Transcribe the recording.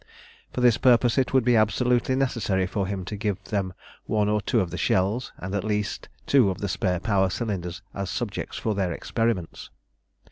For this purpose it would be absolutely necessary for him to give them one or two of the shells, and at least two of the spare power cylinders as subjects for their experiments.